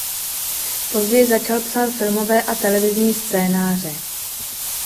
Později začal psát filmové a televizní scénáře.